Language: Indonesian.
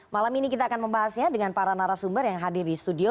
malam ini kita akan membahasnya dengan para narasumber yang hadir di studio